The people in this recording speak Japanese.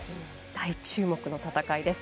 大注目の戦いです。